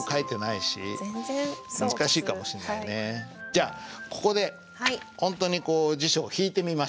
じゃあここでほんとに辞書を引いてみましょう。